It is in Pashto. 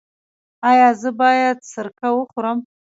ایا زه باید سرکه وخورم؟